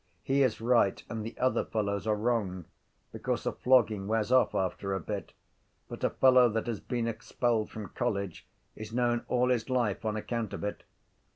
He is right and the other fellows are wrong because a flogging wears off after a bit but a fellow that has been expelled from college is known all his life on account of it.